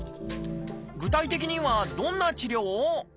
具体的にはどんな治療？